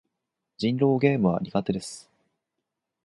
人狼ゲームは苦手です。